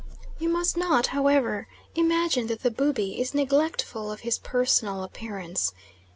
You must not, however, imagine that the Bubi is neglectful of his personal appearance.